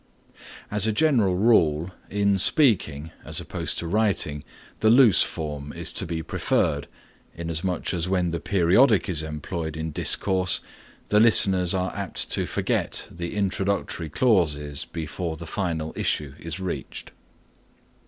As a general rule in speaking, as opposed to writing, the loose form is to be preferred, inasmuch as when the periodic is employed in discourse the listeners are apt to forget the introductory clauses before the final issue is reached.